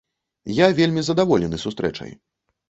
Я вельмі задаволены сустрэчай.